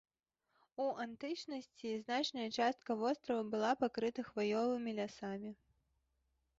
У антычнасці значная частка вострава была пакрыта хваёвымі лясамі.